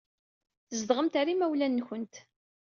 Tzedɣemt ɣer yimawlan-nwent.